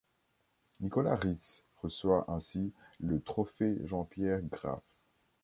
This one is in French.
Nicolas Ritz reçoit ainsi le Trophée Jean-Pierre Graff.